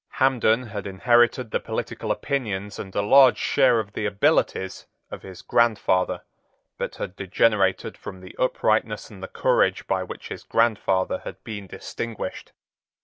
Hampden had inherited the political opinions and a large share of the abilities of his grandfather, but had degenerated from the uprightness and the courage by which his grandfather had been distinguished.